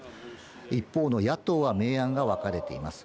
一方の野党は明暗がわかれています。